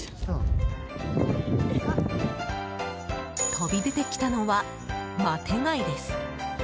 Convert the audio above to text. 飛び出てきたのはマテ貝です。